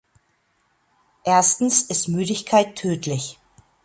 Erstens ist Müdigkeit tödlich.